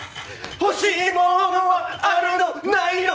欲しいものはあるの？ないの？